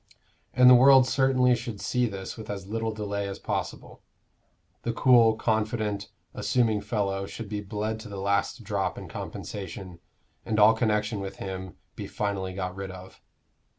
And the world certainly should see this with as little delay as possible. The cool, confident, assuming fellow should be bled to the last drop in compensation, and all connection with him be finally got rid of.